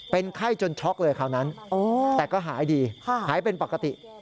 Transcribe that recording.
เป็นไข้จนช็อกเลยคราวนั้นแต่ก็หายดีหายเป็นปกติ